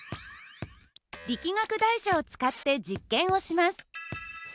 力学台車を使って実験をします。